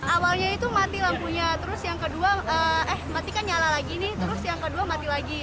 awalnya itu mati lampunya terus yang kedua eh mati kan nyala lagi ini terus yang kedua mati lagi